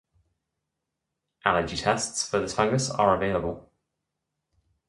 Allergy tests for this fungus are available.